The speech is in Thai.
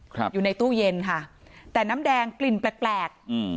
ครับอยู่ในตู้เย็นค่ะแต่น้ำแดงกลิ่นแปลกแปลกอืม